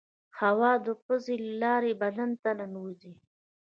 هوا د پزې له لارې بدن ته ننوزي.